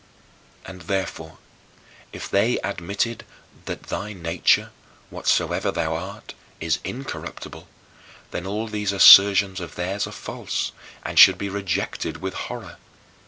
And therefore if they admitted that thy nature whatsoever thou art is incorruptible, then all these assertions of theirs are false and should be rejected with horror.